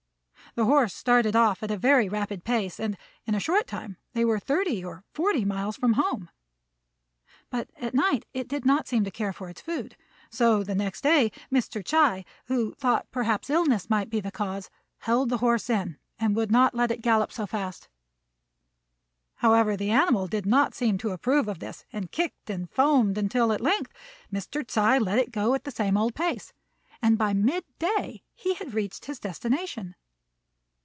The horse started off at a very rapid pace, and, in a short time, they were thirty or forty miles from home; but at night it did not seem to care for its food, so the next day Mr. Ts'ui, who thought perhaps illness might be the cause, held the horse in, and would not let it gallop so fast. However, the animal did not seem to approve of this, and kicked and foamed until at length Mr. Ts'ui let it go at the same old pace; and by mid day he had reached his destination.